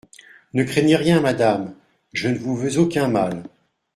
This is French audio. Ne craignez rien, madame, je ne vous veux aucun mal !